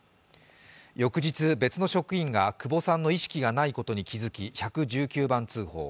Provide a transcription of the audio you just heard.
翌日、別の職員が久保さんの意識がないことに気付き１１９番通報。